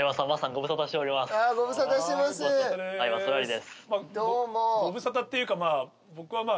ご無沙汰っていうかまぁ。